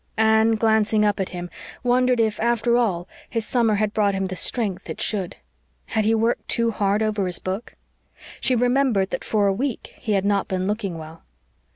Anne, glancing up at him, wondered if, after all, his summer had brought him the strength it should. Had he worked too hard over his book? She remembered that for a week he had not been looking well.